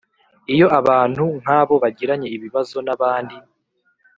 Iyo abantu nk abo bagiranye ibibazo n abandi